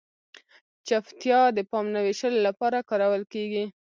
چپتیا د پام نه وېشلو لپاره کارول کیږي.